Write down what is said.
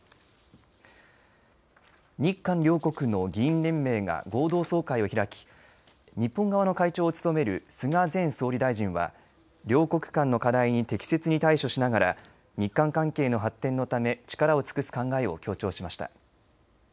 日韓両国の議員連盟が合同総会を開き日本側の会長を務める菅前総理大臣は両国間の課題に適切に対処しながら日韓関係の発展のため力を尽くす考えを強調しました。